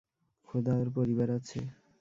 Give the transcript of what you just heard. খোদা, ওর পরিবার আছে?